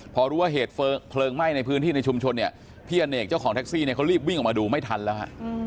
พอรู้ว่าเหตุเพลิงไหม้ในพื้นที่ในชุมชนเนี่ยพี่อเนกเจ้าของแท็กซี่เนี่ยเขารีบวิ่งออกมาดูไม่ทันแล้วฮะ